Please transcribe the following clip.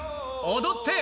踊って！